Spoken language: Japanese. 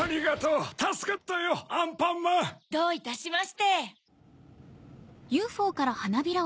どういたしまして。